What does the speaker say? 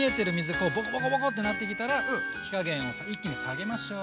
こうボコボコボコってなってきたら火加減を一気に下げましょう。